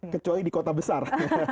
kecuali di kota besar